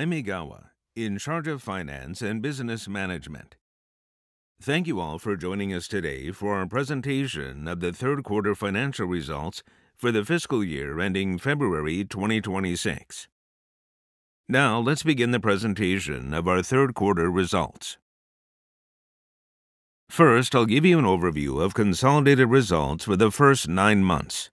I'm Egawa, in charge of Finance and Business Management. Thank you all for joining us today for our presentation of the third-quarter financial results for the fiscal year ending February 2026. Now, let's begin the presentation of our third-quarter results. First, I'll give you an overview of consolidated results for the first nine months.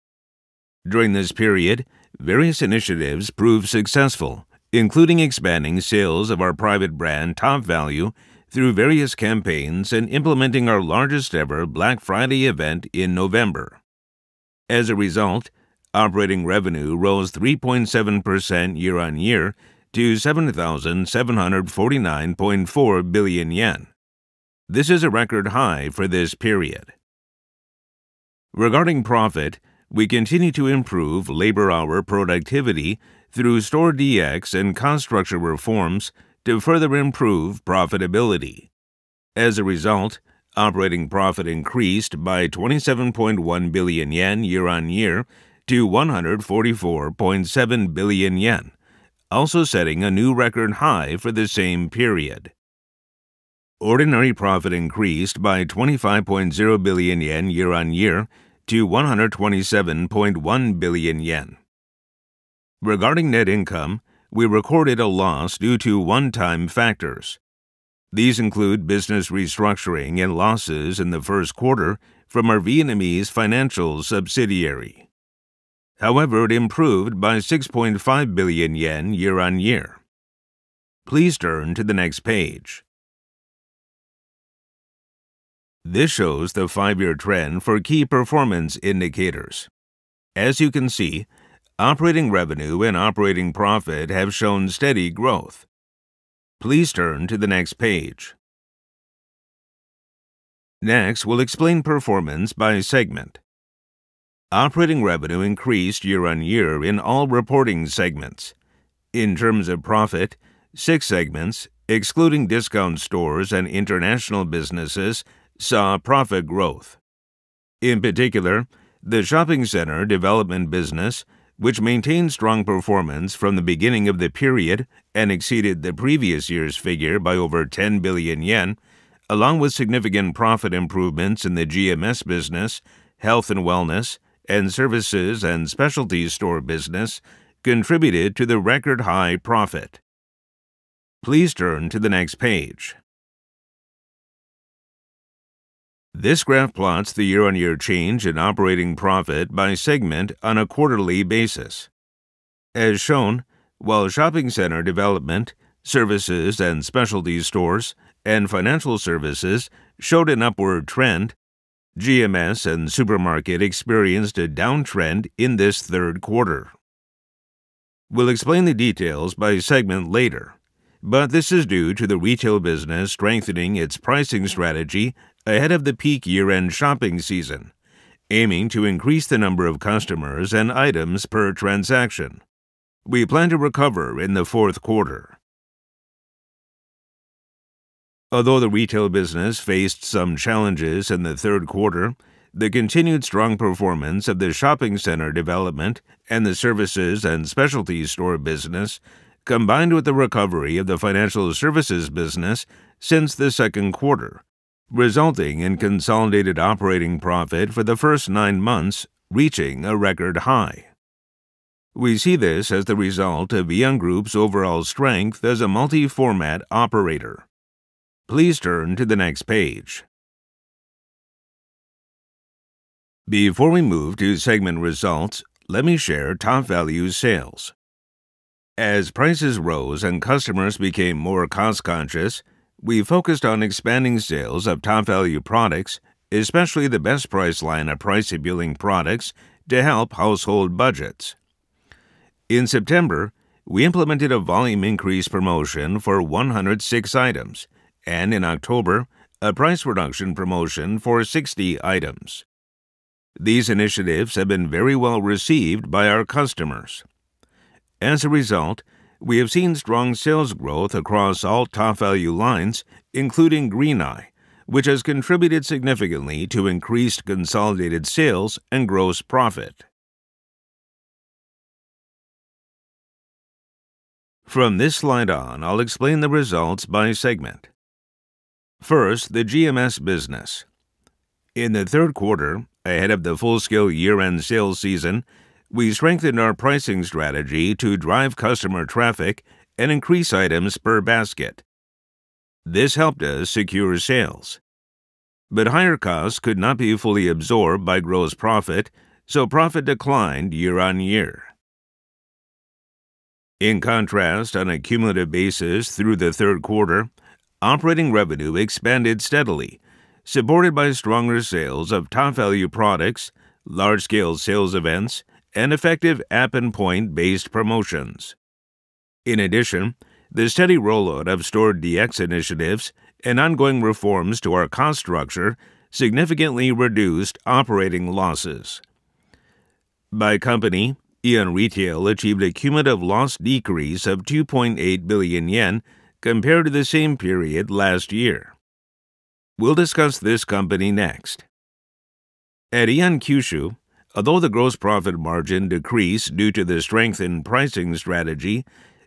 During this period, various initiatives proved successful, including expanding sales of our private brand TOPVALU through various campaigns and implementing our largest-ever Black Friday event in November. As a result, operating revenue rose 3.7% year-on-year to 7,749.4 billion yen. This is a record high for this period. Regarding profit, we continue to improve labor-hour productivity through store DX and construction reforms to further improve profitability. As a result, operating profit increased by 27.1 billion yen year-on-year to 144.7 billion yen, also setting a new record high for the same period. Ordinary profit increased by 25.0 billion yen year-on-year to 127.1 billion yen. Regarding net income, we recorded a loss due to one-time factors. These include business restructuring and losses in the first quarter from our Vietnamese financial subsidiary. However, it improved by 6.5 billion yen year-on-year. Please turn to the next page. This shows the five-year trend for key performance indicators. As you can see, operating revenue and operating profit have shown steady growth. Please turn to the next page. Next, we'll explain performance by segment. Operating revenue increased year-on-year in all reporting segments. In terms of profit, six segments, excluding discount stores and international businesses, saw profit growth. In particular, the shopping center development business, which maintained strong performance from the beginning of the period and exceeded the previous year's figure by over 10 billion yen, along with significant profit improvements in the GMS business, health and wellness, and services and specialty store business, contributed to the record-high profit. Please turn to the next page. This graph plots the year-on-year change in operating profit by segment on a quarterly basis. As shown, while shopping center development, services and specialty stores, and financial services showed an upward trend, GMS and supermarket experienced a downtrend in this third quarter. We'll explain the details by segment later, but this is due to the retail business strengthening its pricing strategy ahead of the peak year-end shopping season, aiming to increase the number of customers and items per transaction. We plan to recover in the fourth quarter. Although the retail business faced some challenges in the third quarter, the continued strong performance of the shopping center development and the services and specialty store business combined with the recovery of the financial services business since the second quarter, resulting in consolidated operating profit for the first nine months reaching a record high. We see this as the result of Aeon Group's overall strength as a multi-format operator. Please turn to the next page. Before we move to segment results, let me share TOPVALU sales. As prices rose and customers became more cost-conscious, we focused on expanding sales of TOPVALU products, especially the Best Price line of price-appealing products to help household budgets. In September, we implemented a volume increase promotion for 106 items, and in October, a price reduction promotion for 60 items. These initiatives have been very well received by our customers. As a result, we have seen strong sales growth across all TOPVALU lines, including GreenEye, which has contributed significantly to increased consolidated sales and gross profit. From this slide on, I'll explain the results by segment. First, the GMS business. In the third quarter, ahead of the full-scale year-end sales season, we strengthened our pricing strategy to drive customer traffic and increase items per basket. This helped us secure sales. But higher costs could not be fully absorbed by gross profit, so profit declined year-on-year. In contrast, on a cumulative basis through the third quarter, operating revenue expanded steadily, supported by stronger sales of TOPVALU products, large-scale sales events, and effective app and point-based promotions. In addition, the steady rollout of store DX initiatives and ongoing reforms to our cost structure significantly reduced operating losses. By company, Aeon Retail achieved a cumulative loss decrease of 2.8 billion yen compared to the same period last year. We'll discuss this company next. At Aeon Kyushu, although the gross profit margin decreased due to the strengthened pricing strategy,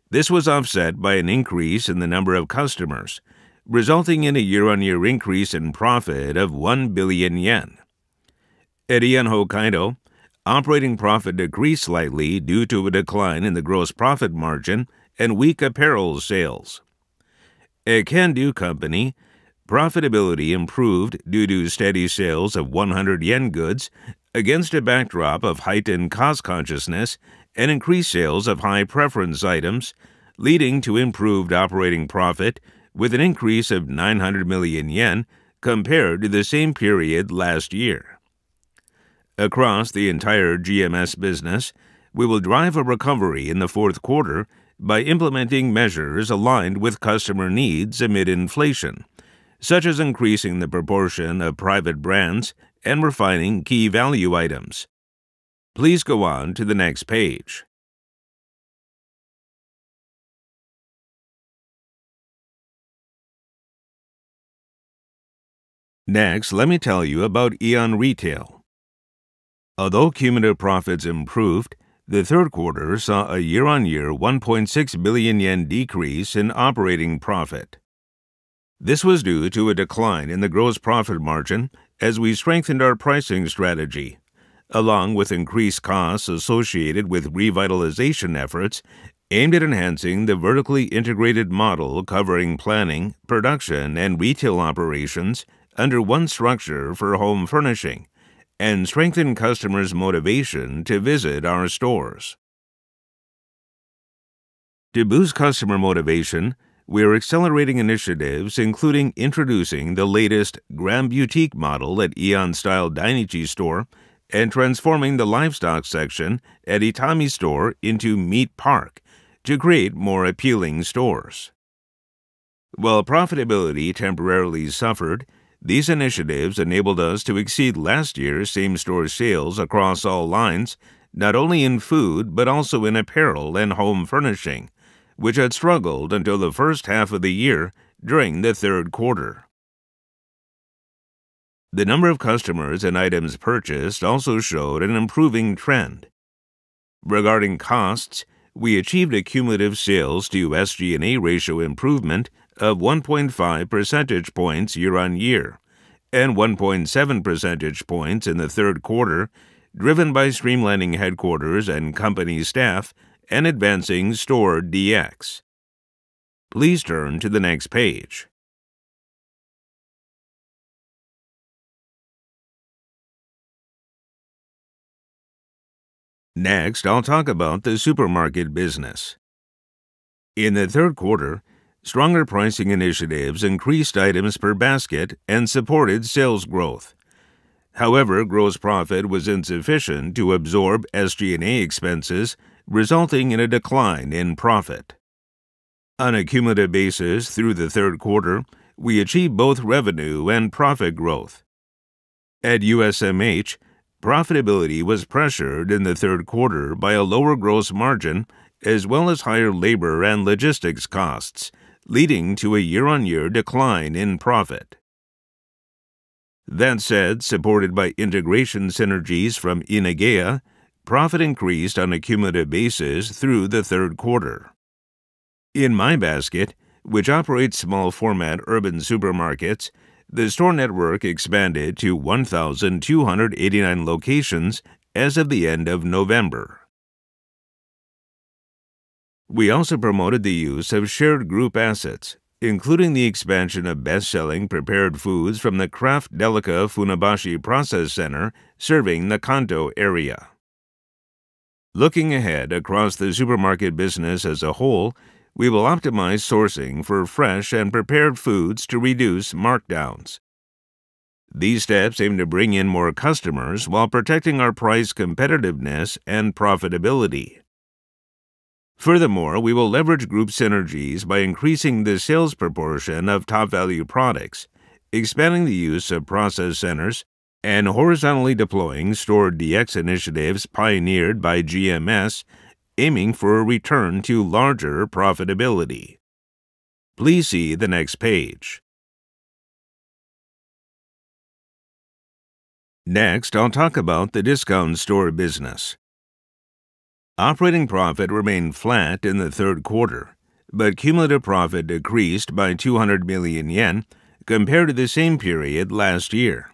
this was offset by an increase in the number of customers, resulting in a year-on-year increase in profit of 1 billion yen. At Aeon Hokkaido, operating profit decreased slightly due to a decline in the gross profit margin and weak apparel sales. At Kandu Company, profitability improved due to steady sales of 100 yen goods against a backdrop of heightened cost consciousness and increased sales of high-preference items, leading to improved operating profit with an increase of 900 million yen compared to the same period last year. Across the entire GMS business, we will drive a recovery in the fourth quarter by implementing measures aligned with customer needs amid inflation, such as increasing the proportion of private brands and refining key value items. Please go on to the next page. Next, let me tell you about Aeon Retail. Although cumulative profits improved, the third quarter saw a year-on-year 1.6 billion yen decrease in operating profit. This was due to a decline in the gross profit margin as we strengthened our pricing strategy, along with increased costs associated with revitalization efforts aimed at enhancing the vertically integrated model covering planning, production, and retail operations under one structure for home furnishing and strengthened customers' motivation to visit our stores. To boost customer motivation, we are accelerating initiatives including introducing the latest Glam Beautique model at Aeon Style Dainichi Store and transforming the Livestock section at Aeon Itami Store into Meat Park to create more appealing stores. While profitability temporarily suffered, these initiatives enabled us to exceed last year's same-store sales across all lines, not only in food but also in apparel and home furnishing, which had struggled until the first half of the year during the third quarter. The number of customers and items purchased also showed an improving trend. Regarding costs, we achieved a cumulative sales-to-SG&A ratio improvement of 1.5 percentage points year-on-year and 1.7 percentage points in the third quarter, driven by streamlining headquarters and company staff and advancing Store DX. Please turn to the next page. Next, I'll talk about the supermarket business. In the third quarter, stronger pricing initiatives increased items per basket and supported sales growth. However, gross profit was insufficient to absorb SG&A expenses, resulting in a decline in profit. On a cumulative basis through the third quarter, we achieved both revenue and profit growth. At USMH, profitability was pressured in the third quarter by a lower gross margin as well as higher labor and logistics costs, leading to a year-on-year decline in profit. That said, supported by integration synergies from Inageya, profit increased on a cumulative basis through the third quarter. In My Basket, which operates small-format urban supermarkets, the store network expanded to 1,289 locations as of the end of November. We also promoted the use of shared group assets, including the expansion of best-selling prepared foods from the Craft Delica Funabashi Process Center serving the Kanto area. Looking ahead across the supermarket business as a whole, we will optimize sourcing for fresh and prepared foods to reduce markdowns. These steps aim to bring in more customers while protecting our price competitiveness and profitability. Furthermore, we will leverage group synergies by increasing the sales proportion of TOPVALU products, expanding the use of process centers, and horizontally deploying store DX initiatives pioneered by GMS, aiming for a return to larger profitability. Please see the next page. Next, I'll talk about the discount store business. Operating profit remained flat in the third quarter, but cumulative profit decreased by 200 million yen compared to the same period last year.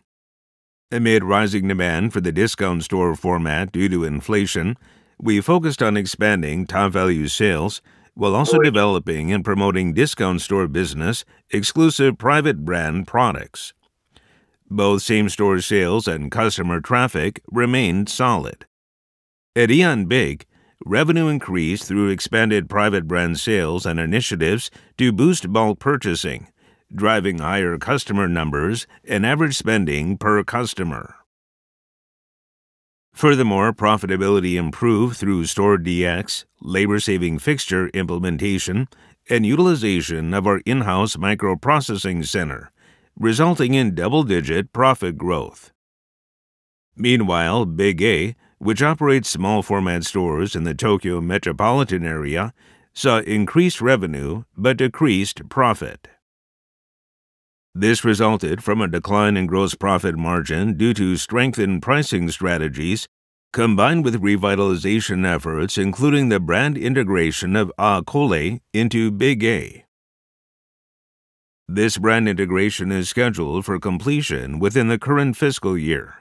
Amid rising demand for the discount store format due to inflation, we focused on expanding TOPVALU sales while also developing and promoting discount store business exclusive private brand products. Both same-store sales and customer traffic remained solid. At Aeon Big, revenue increased through expanded private brand sales and initiatives to boost bulk purchasing, driving higher customer numbers and average spending per customer. Furthermore, profitability improved through store DX, labor-saving fixture implementation, and utilization of our in-house microprocessing center, resulting in double-digit profit growth. Meanwhile, Big-A, which operates small-format stores in the Tokyo metropolitan area, saw increased revenue but decreased profit. This resulted from a decline in gross profit margin due to strengthened pricing strategies combined with revitalization efforts, including the brand integration of A-Colle into Big-A. This brand integration is scheduled for completion within the current fiscal year.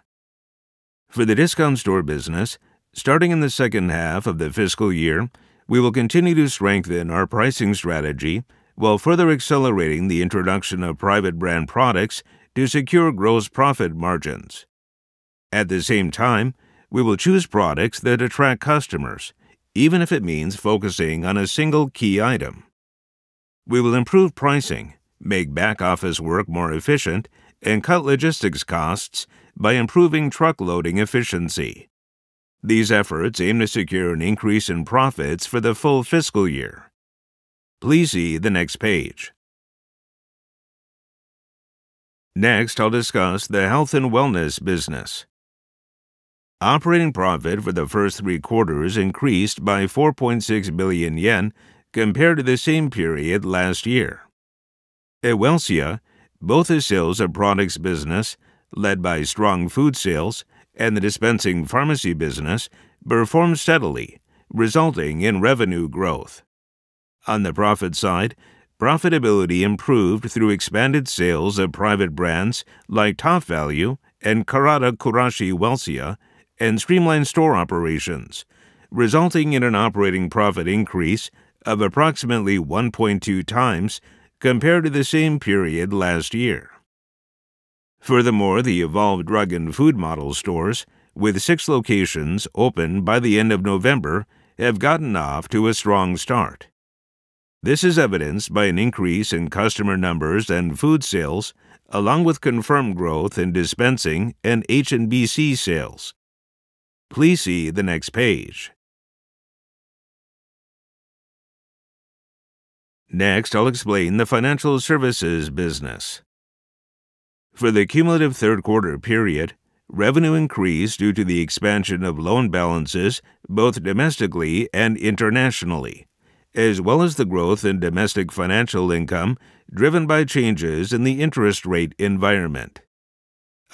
For the discount store business, starting in the second half of the fiscal year, we will continue to strengthen our pricing strategy while further accelerating the introduction of private brand products to secure gross profit margins. At the same time, we will choose products that attract customers, even if it means focusing on a single key item. We will improve pricing, make back office work more efficient, and cut logistics costs by improving truck loading efficiency. These efforts aim to secure an increase in profits for the full fiscal year. Please see the next page. Next, I'll discuss the health and wellness business. Operating profit for the first three quarters increased by 4.6 billion yen compared to the same period last year. At Welcia, both the sales of products business, led by strong food sales, and the dispensing pharmacy business, performed steadily, resulting in revenue growth. On the profit side, profitability improved through expanded sales of private brands like TOPVALU and Karada Kurashi Welcia and streamlined store operations, resulting in an operating profit increase of approximately 1.2 times compared to the same period last year. Furthermore, the evolved drug and food model stores, with six locations open by the end of November, have gotten off to a strong start. This is evidenced by an increase in customer numbers and food sales, along with confirmed growth in dispensing and H&BC sales. Please see the next page. Next, I'll explain the financial services business. For the cumulative third-quarter period, revenue increased due to the expansion of loan balances both domestically and internationally, as well as the growth in domestic financial income driven by changes in the interest rate environment.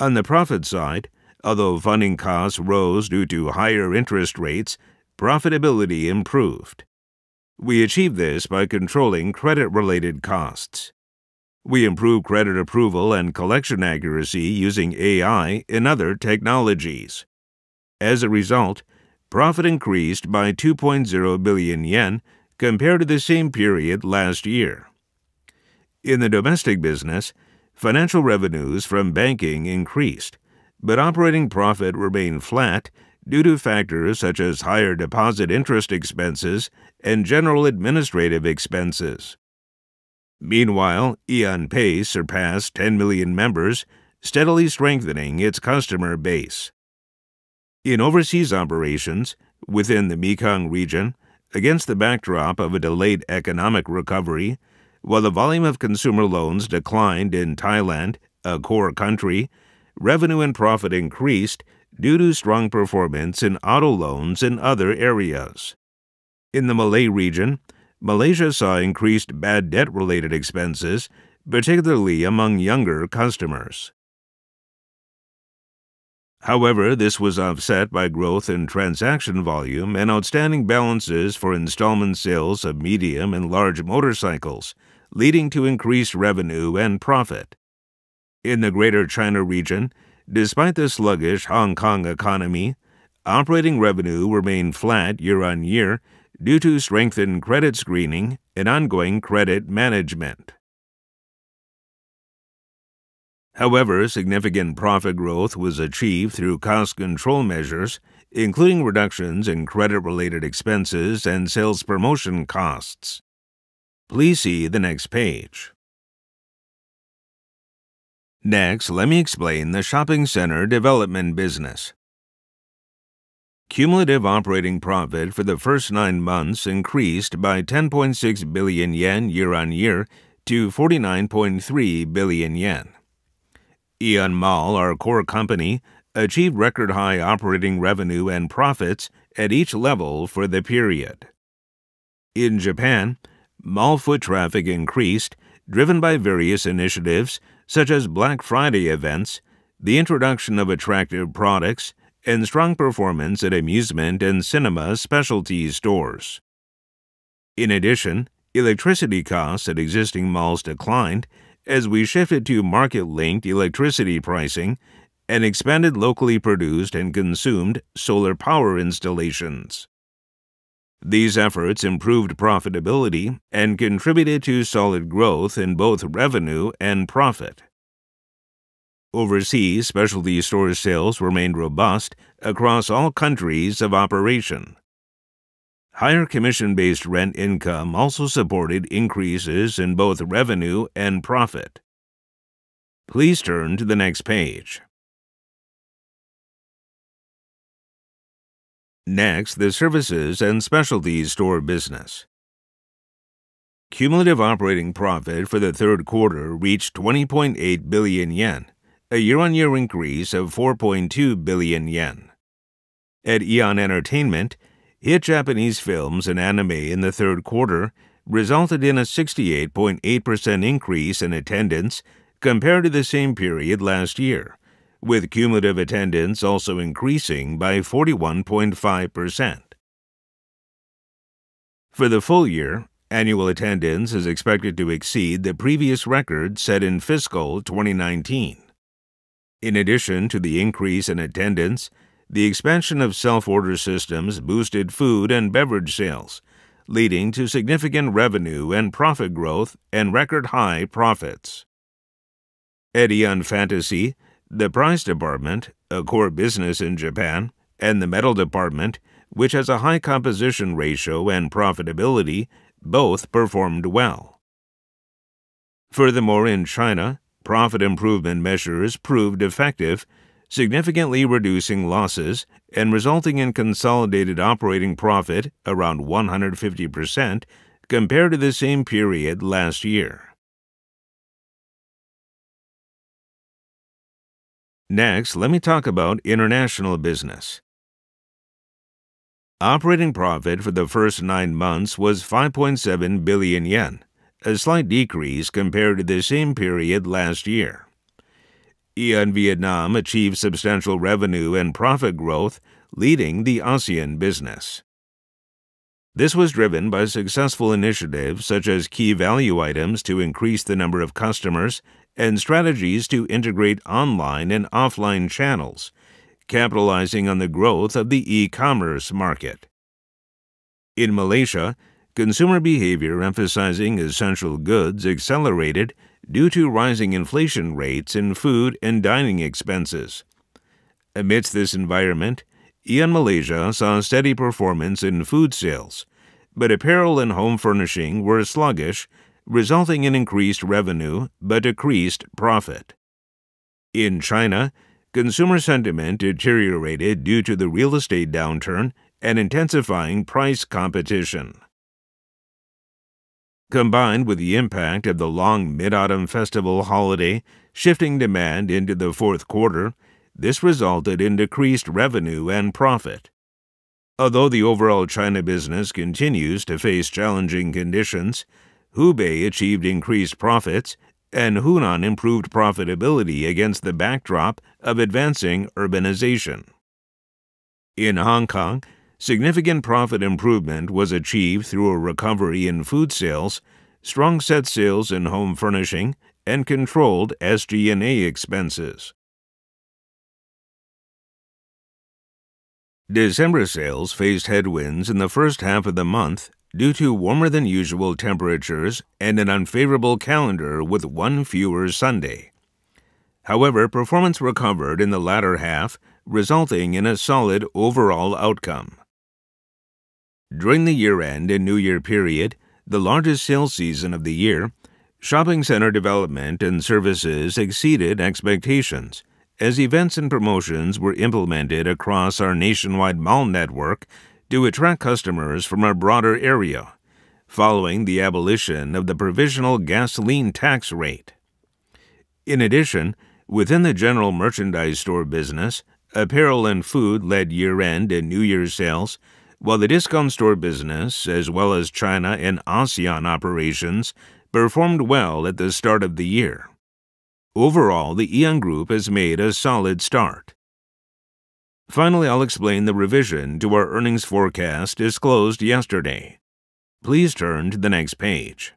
On the profit side, although funding costs rose due to higher interest rates, profitability improved. We achieved this by controlling credit-related costs. We improved credit approval and collection accuracy using AI and other technologies. As a result, profit increased by 2.0 billion yen compared to the same period last year. In the domestic business, financial revenues from banking increased, but operating profit remained flat due to factors such as higher deposit interest expenses and general administrative expenses. Meanwhile, Aeon Pay surpassed 10 million members, steadily strengthening its customer base. In overseas operations within the Mekong Region, against the backdrop of a delayed economic recovery, while the volume of consumer loans declined in Thailand, a core country, revenue and profit increased due to strong performance in auto loans and other areas. In the Malay Region, Malaysia saw increased bad debt-related expenses, particularly among younger customers. However, this was offset by growth in transaction volume and outstanding balances for installment sales of medium and large motorcycles, leading to increased revenue and profit. In the Greater China Region, despite the sluggish Hong Kong economy, operating revenue remained flat year-on-year due to strengthened credit screening and ongoing credit management. However, significant profit growth was achieved through cost control measures, including reductions in credit-related expenses and sales promotion costs. Please see the next page. Next, let me explain the shopping center development business. Cumulative operating profit for the first nine months increased by 10.6 billion yen year-on-year to 49.3 billion yen. Aeon Mall, our core company, achieved record-high operating revenue and profits at each level for the period. In Japan, mall foot traffic increased, driven by various initiatives such as Black Friday events, the introduction of attractive products, and strong performance at amusement and cinema specialty stores. In addition, electricity costs at existing malls declined as we shifted to market-linked electricity pricing and expanded locally produced and consumed solar power installations. These efforts improved profitability and contributed to solid growth in both revenue and profit. Overseas, specialty store sales remained robust across all countries of operation. Higher commission-based rent income also supported increases in both revenue and profit. Please turn to the next page. Next, the services and specialty store business. Cumulative operating profit for the third quarter reached 20.8 billion yen, a year-on-year increase of 4.2 billion yen. At Aeon Entertainment, hit Japanese films and anime in the third quarter resulted in a 68.8% increase in attendance compared to the same period last year, with cumulative attendance also increasing by 41.5%. For the full year, annual attendance is expected to exceed the previous record set in fiscal 2019. In addition to the increase in attendance, the expansion of self-order systems boosted food and beverage sales, leading to significant revenue and profit growth and record-high profits. At Aeon Fantasy, the prize department, a core business in Japan, and the medal department, which has a high composition ratio and profitability, both performed well. Furthermore, in China, profit improvement measures proved effective, significantly reducing losses and resulting in consolidated operating profit around 150% compared to the same period last year. Next, let me talk about international business. Operating profit for the first nine months was 5.7 billion yen, a slight decrease compared to the same period last year. Aeon Vietnam achieved substantial revenue and profit growth, leading the ASEAN business. This was driven by successful initiatives such as key value items to increase the number of customers and strategies to integrate online and offline channels, capitalizing on the growth of the e-commerce market. In Malaysia, consumer behavior emphasizing essential goods accelerated due to rising inflation rates in food and dining expenses. Amidst this environment, Aeon Malaysia saw steady performance in food sales, but apparel and home furnishing were sluggish, resulting in increased revenue but decreased profit. In China, consumer sentiment deteriorated due to the real estate downturn and intensifying price competition. Combined with the impact of the long Mid-Autumn Festival holiday shifting demand into the fourth quarter, this resulted in decreased revenue and profit. Although the overall China business continues to face challenging conditions, Hubei achieved increased profits and Hunan improved profitability against the backdrop of advancing urbanization. In Hong Kong, significant profit improvement was achieved through a recovery in food sales, strong set sales in home furnishing, and controlled SG&A expenses. December sales faced headwinds in the first half of the month due to warmer-than-usual temperatures and an unfavorable calendar with one fewer Sunday. However, performance recovered in the latter half, resulting in a solid overall outcome. During the year-end and New Year period, the largest sales season of the year, shopping center development and services exceeded expectations as events and promotions were implemented across our nationwide mall network to attract customers from our broader area, following the abolition of the provisional gasoline tax rate. In addition, within the general merchandise store business, apparel and food led year-end and New Year sales, while the discount store business, as well as China and ASEAN operations, performed well at the start of the year. Overall, the Aeon Group has made a solid start. Finally, I'll explain the revision to our earnings forecast disclosed yesterday. Please turn to the next page.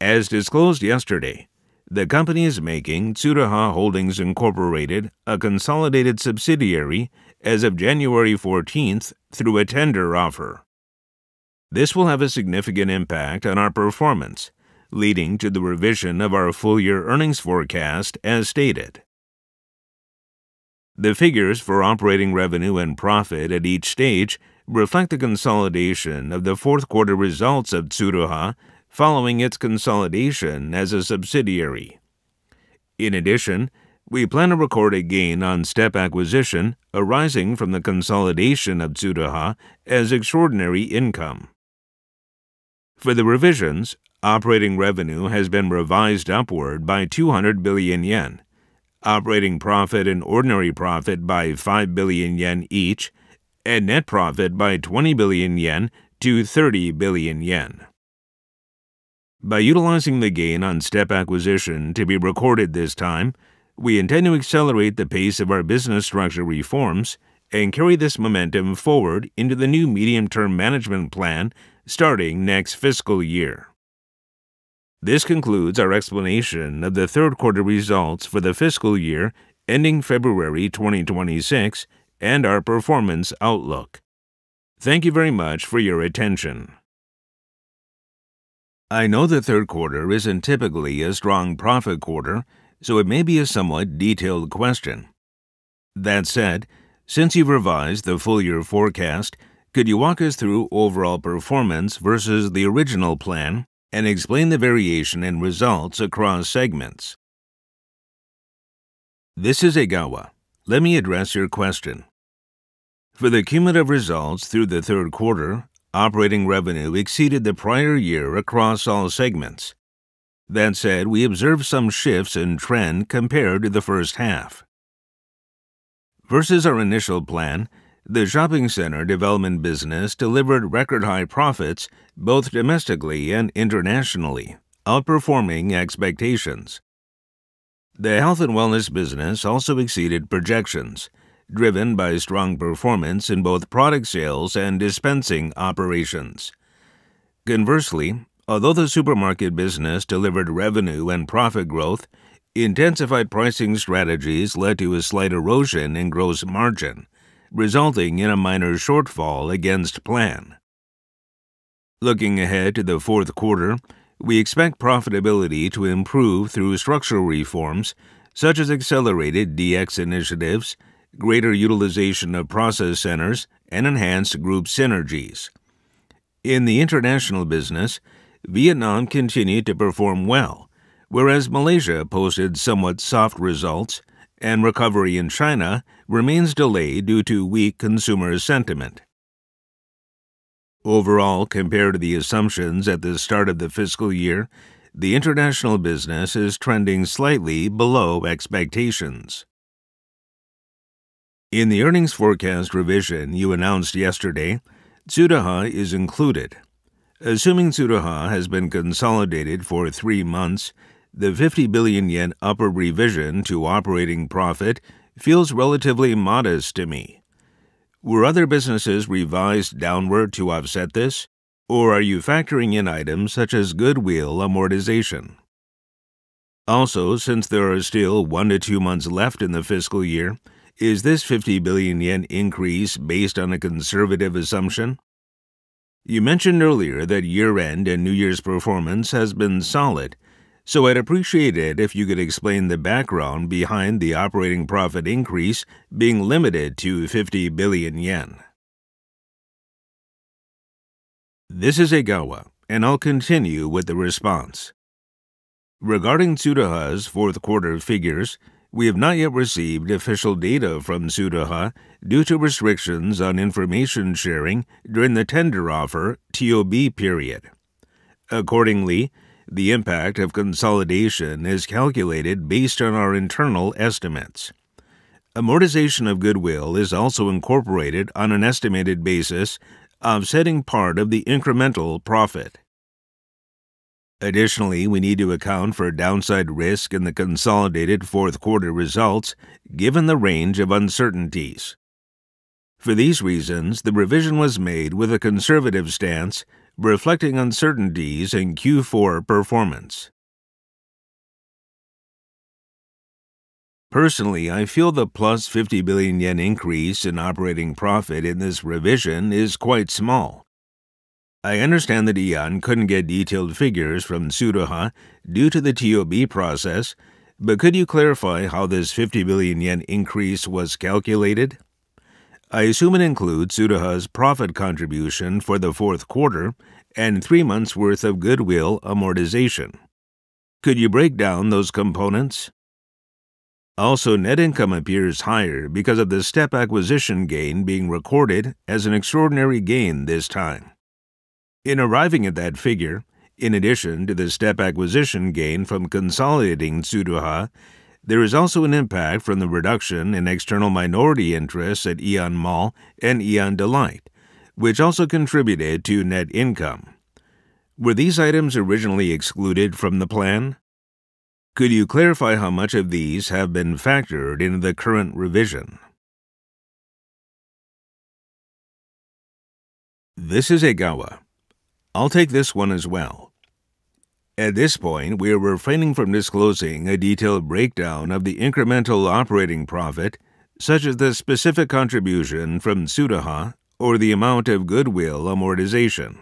As disclosed yesterday, the company is making Tsuruha Holdings Incorporated a consolidated subsidiary as of January 14th through a tender offer. This will have a significant impact on our performance, leading to the revision of our full-year earnings forecast as stated. The figures for operating revenue and profit at each stage reflect the consolidation of the fourth-quarter results of Tsuruha following its consolidation as a subsidiary. In addition, we plan to record a gain on step acquisition arising from the consolidation of Tsuruha as extraordinary income. For the revisions, operating revenue has been revised upward by 200 billion yen, operating profit and ordinary profit by 5 billion yen each, and net profit by 20 billion yen to 30 billion yen. By utilizing the gain on step acquisition to be recorded this time, we intend to accelerate the pace of our business structure reforms and carry this momentum forward into the new medium-term management plan starting next fiscal year. This concludes our explanation of the third-quarter results for the fiscal year ending February 2026 and our performance outlook. Thank you very much for your attention. I know the third quarter isn't typically a strong profit quarter, so it may be a somewhat detailed question. That said, since you've revised the full-year forecast, could you walk us through overall performance versus the original plan and explain the variation in results across segments? This is Egawa. Let me address your question. For the cumulative results through the third quarter, operating revenue exceeded the prior year across all segments. That said, we observed some shifts in trend compared to the first half. Versus our initial plan, the shopping center development business delivered record-high profits both domestically and internationally, outperforming expectations. The health and wellness business also exceeded projections, driven by strong performance in both product sales and dispensing operations. Conversely, although the supermarket business delivered revenue and profit growth, intensified pricing strategies led to a slight erosion in gross margin, resulting in a minor shortfall against plan. Looking ahead to the fourth quarter, we expect profitability to improve through structural reforms such as accelerated DX initiatives, greater utilization of process centers, and enhanced group synergies. In the international business, Vietnam continued to perform well, whereas Malaysia posted somewhat soft results, and recovery in China remains delayed due to weak consumer sentiment. Overall, compared to the assumptions at the start of the fiscal year, the international business is trending slightly below expectations. In the earnings forecast revision you announced yesterday, Tsuruha is included. Assuming Tsuruha has been consolidated for three months, the 50 billion yen upper revision to operating profit feels relatively modest to me. Were other businesses revised downward to offset this, or are you factoring in items such as goodwill amortization? Also, since there are still one to two months left in the fiscal year, is this 50 billion yen increase based on a conservative assumption? You mentioned earlier that year-end and New Year's performance has been solid, so I'd appreciate it if you could explain the background behind the operating profit increase being limited to 50 billion yen. This is Egawa, and I'll continue with the response. Regarding Tsuruha's fourth-quarter figures, we have not yet received official data from Tsuruha due to restrictions on information sharing during the tender offer TOB period. Accordingly, the impact of consolidation is calculated based on our internal estimates. Amortization of goodwill is also incorporated on an estimated basis, offsetting part of the incremental profit. Additionally, we need to account for downside risk in the consolidated fourth-quarter results given the range of uncertainties. For these reasons, the revision was made with a conservative stance, reflecting uncertainties in Q4 performance. Personally, I feel the plus 50 billion yen increase in operating profit in this revision is quite small. I understand that Aeon couldn't get detailed figures from Tsuruha due to the TOB process, but could you clarify how this 50 billion yen increase was calculated? I assume it includes Tsuruha's profit contribution for the fourth quarter and three months' worth of Goodwill amortization. Could you break down those components? Also, net income appears higher because of the step acquisition gain being recorded as an extraordinary gain this time. In arriving at that figure, in addition to the step acquisition gain from consolidating Tsuruha, there is also an impact from the reduction in external minority interests at Aeon Mall and Aeon Delight, which also contributed to net income. Were these items originally excluded from the plan? Could you clarify how much of these have been factored in the current revision? This is Egawa. I'll take this one as well. At this point, we are refraining from disclosing a detailed breakdown of the incremental operating profit, such as the specific contribution from Tsuruha or the amount of Goodwill amortization.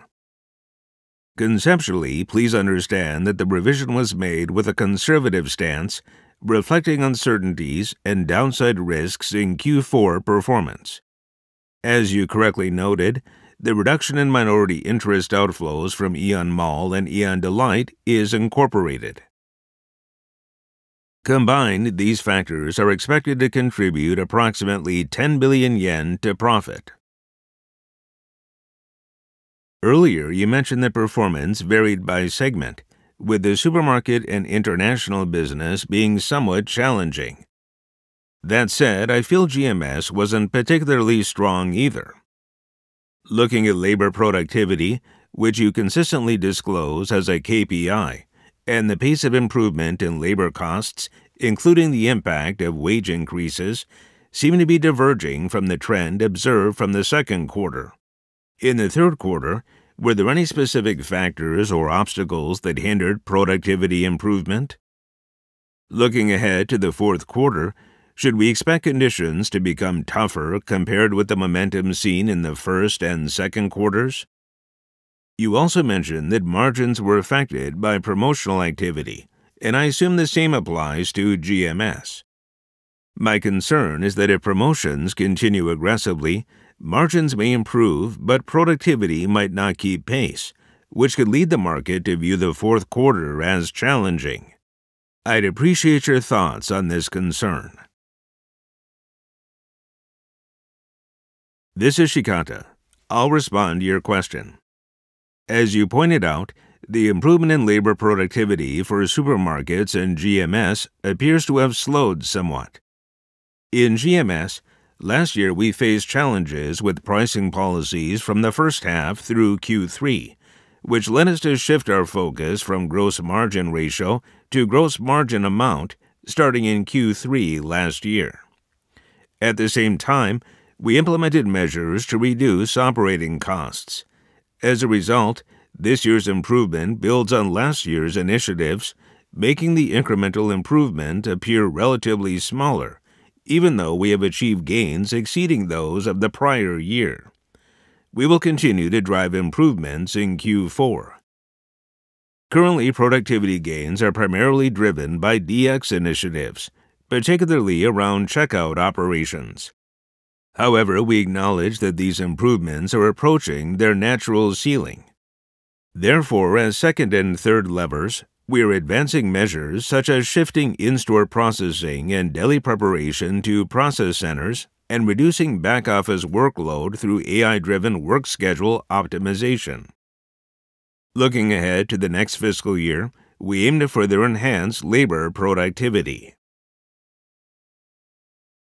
Conceptually, please understand that the revision was made with a conservative stance, reflecting uncertainties and downside risks in Q4 performance. As you correctly noted, the reduction in minority interest outflows from Aeon Mall and Aeon Delight is incorporated. Combined, these factors are expected to contribute approximately 10 billion yen to profit. Earlier, you mentioned that performance varied by segment, with the supermarket and international business being somewhat challenging. That said, I feel GMS wasn't particularly strong either. Looking at labor productivity, which you consistently disclose as a KPI, and the pace of improvement in labor costs, including the impact of wage increases, seem to be diverging from the trend observed from the second quarter. In the third quarter, were there any specific factors or obstacles that hindered productivity improvement? Looking ahead to the fourth quarter, should we expect conditions to become tougher compared with the momentum seen in the first and second quarters? You also mentioned that margins were affected by promotional activity, and I assume the same applies to GMS. My concern is that if promotions continue aggressively, margins may improve but productivity might not keep pace, which could lead the market to view the fourth quarter as challenging. I'd appreciate your thoughts on this concern. This is Shikata. I'll respond to your question. As you pointed out, the improvement in labor productivity for supermarkets and GMS appears to have slowed somewhat. In GMS, last year we faced challenges with pricing policies from the first half through Q3, which led us to shift our focus from gross margin ratio to gross margin amount starting in Q3 last year. At the same time, we implemented measures to reduce operating costs. As a result, this year's improvement builds on last year's initiatives, making the incremental improvement appear relatively smaller, even though we have achieved gains exceeding those of the prior year. We will continue to drive improvements in Q4. Currently, productivity gains are primarily driven by DX initiatives, particularly around checkout operations. However, we acknowledge that these improvements are approaching their natural ceiling. Therefore, as second and third levers, we are advancing measures such as shifting in-store processing and deli preparation to process centers and reducing back office workload through AI-driven work schedule optimization. Looking ahead to the next fiscal year, we aim to further enhance labor productivity.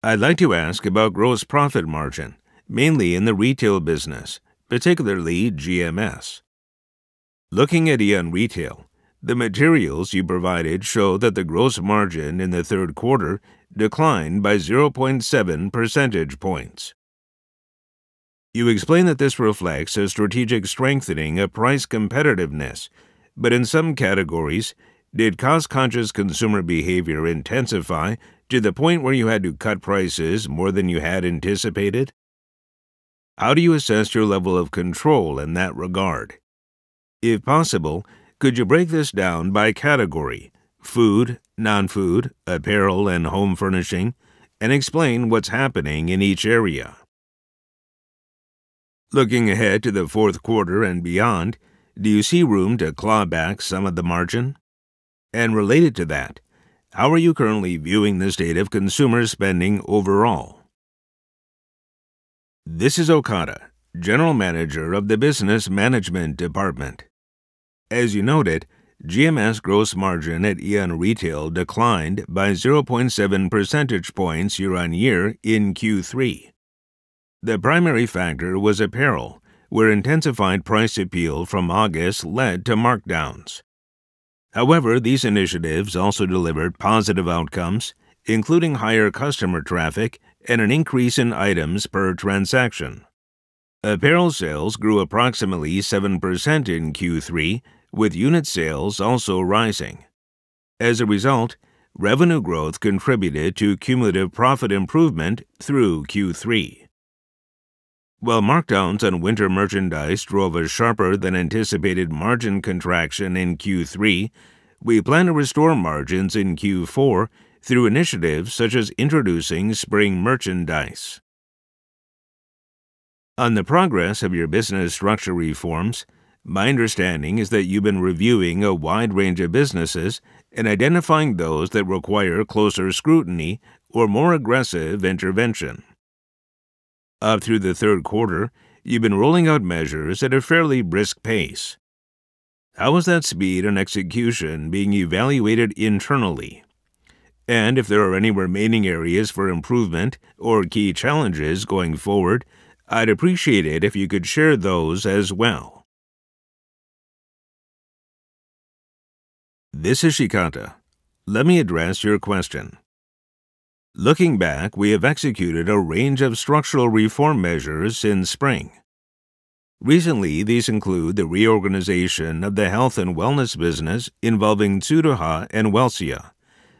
I'd like to ask about gross profit margin, mainly in the retail business, particularly GMS. Looking at Aeon Retail, the materials you provided show that the gross margin in the third quarter declined by 0.7 percentage points. You explain that this reflects a strategic strengthening of price competitiveness, but in some categories, did cost-conscious consumer behavior intensify to the point where you had to cut prices more than you had anticipated? How do you assess your level of control in that regard? If possible, could you break this down by category: food, non-food, apparel, and home furnishing, and explain what's happening in each area? Looking ahead to the fourth quarter and beyond, do you see room to claw back some of the margin? And related to that, how are you currently viewing the state of consumer spending overall? This is Okada, General Manager of the Business Management Department. As you noted, GMS gross margin at Aeon Retail declined by 0.7 percentage points year-on-year in Q3. The primary factor was apparel, where intensified price appeal from August led to markdowns. However, these initiatives also delivered positive outcomes, including higher customer traffic and an increase in items per transaction. Apparel sales grew approximately 7% in Q3, with unit sales also rising. As a result, revenue growth contributed to cumulative profit improvement through Q3. While markdowns on winter merchandise drove a sharper-than-anticipated margin contraction in Q3, we plan to restore margins in Q4 through initiatives such as introducing spring merchandise. On the progress of your business structure reforms, my understanding is that you've been reviewing a wide range of businesses and identifying those that require closer scrutiny or more aggressive intervention. Up through the third quarter, you've been rolling out measures at a fairly brisk pace. How is that speed and execution being evaluated internally? And if there are any remaining areas for improvement or key challenges going forward, I'd appreciate it if you could share those as well. This is Shikata. Let me address your question. Looking back, we have executed a range of structural reform measures since spring. Recently, these include the reorganization of the health and wellness business involving Tsuruha and Welcia,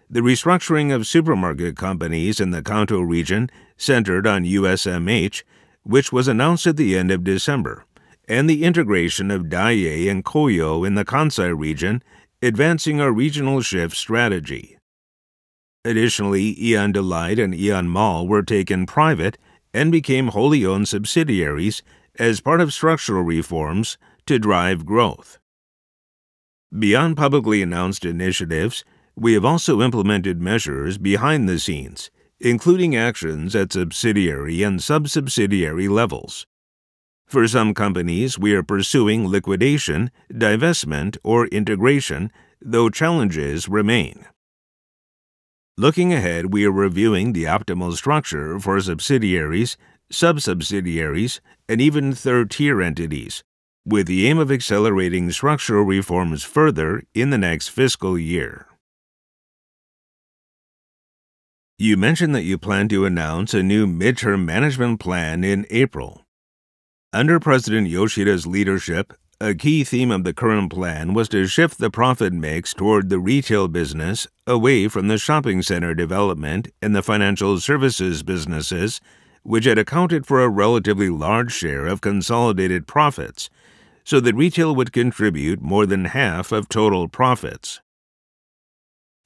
the restructuring of supermarket companies in the Kanto region centered on USMH, which was announced at the end of December, and the integration of Daiei and Kohyo in the Kansai region, advancing our regional shift strategy. Additionally, Aeon Delight and Aeon Mall were taken private and became wholly owned subsidiaries as part of structural reforms to drive growth. Beyond publicly announced initiatives, we have also implemented measures behind the scenes, including actions at subsidiary and sub-subsidiary levels. For some companies, we are pursuing liquidation, divestment, or integration, though challenges remain. Looking ahead, we are reviewing the optimal structure for subsidiaries, sub-subsidiaries, and even third-tier entities, with the aim of accelerating structural reforms further in the next fiscal year. You mentioned that you plan to announce a new midterm management plan in April. Under President Yoshida's leadership, a key theme of the current plan was to shift the profit mix toward the retail business away from the shopping center development and the financial services businesses, which had accounted for a relatively large share of consolidated profits, so that retail would contribute more than half of total profits.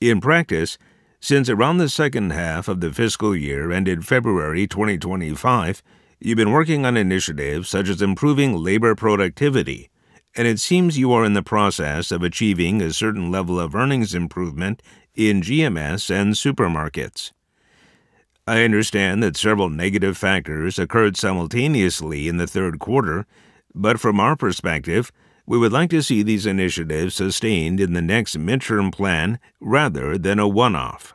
In practice, since around the second half of the fiscal year ended February 2025, you've been working on initiatives such as improving labor productivity, and it seems you are in the process of achieving a certain level of earnings improvement in GMS and supermarkets. I understand that several negative factors occurred simultaneously in the third quarter, but from our perspective, we would like to see these initiatives sustained in the next midterm plan rather than a one-off.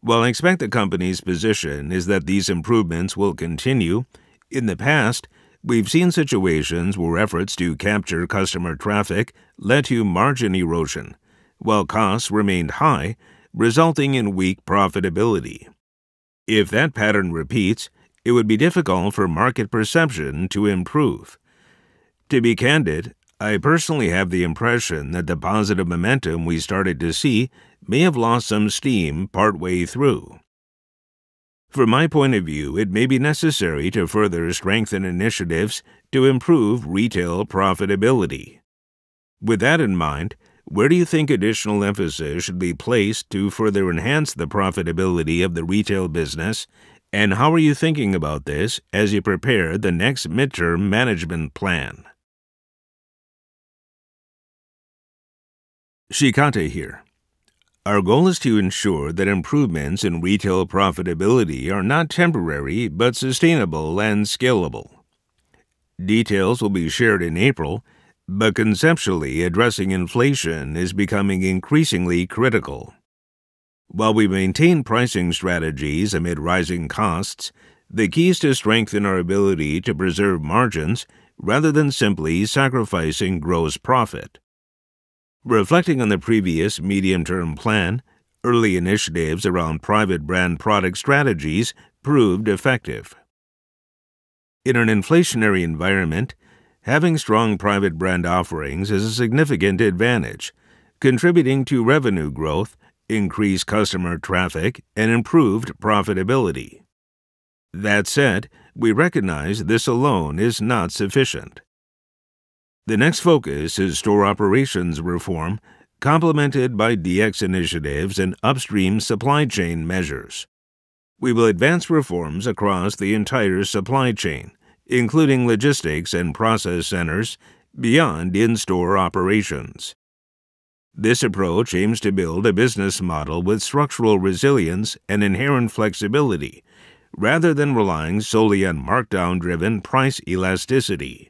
While I expect the company's position is that these improvements will continue, in the past, we've seen situations where efforts to capture customer traffic led to margin erosion, while costs remained high, resulting in weak profitability. If that pattern repeats, it would be difficult for market perception to improve. To be candid, I personally have the impression that the positive momentum we started to see may have lost some steam partway through. From my point of view, it may be necessary to further strengthen initiatives to improve retail profitability. With that in mind, where do you think additional emphasis should be placed to further enhance the profitability of the retail business, and how are you thinking about this as you prepare the next midterm management plan? Shikata here. Our goal is to ensure that improvements in retail profitability are not temporary but sustainable and scalable. Details will be shared in April, but conceptually, addressing inflation is becoming increasingly critical. While we maintain pricing strategies amid rising costs, the key is to strengthen our ability to preserve margins rather than simply sacrificing gross profit. Reflecting on the previous medium-term plan, early initiatives around private brand product strategies proved effective. In an inflationary environment, having strong private brand offerings is a significant advantage, contributing to revenue growth, increased customer traffic, and improved profitability. That said, we recognize this alone is not sufficient. The next focus is store operations reform, complemented by DX initiatives and upstream supply chain measures. We will advance reforms across the entire supply chain, including logistics and process centers, beyond in-store operations. This approach aims to build a business model with structural resilience and inherent flexibility, rather than relying solely on markdown-driven price elasticity.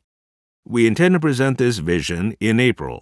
We intend to present this vision in April.